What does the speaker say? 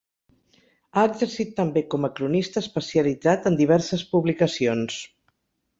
Ha exercit també com a cronista especialitzat en diverses publicacions.